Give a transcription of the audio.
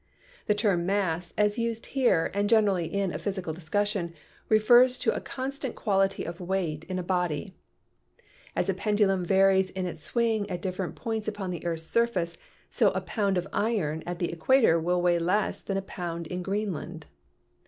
The term mass, as used here and generally in a physical discussion, refers to a constant quality of weight in a body. As a pendulum varies in its swing at different points upon the earth's surface, so a pound of iron at the equator will weigh less than a pound in Greenland.